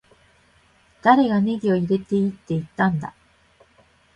誰がネギを入れていいって言ったんだ